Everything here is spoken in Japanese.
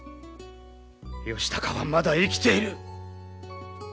義高はまだ生きている。